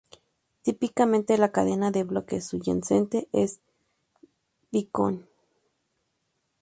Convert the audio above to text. Típicamente la cadena de bloques subyacente es Bitcoin.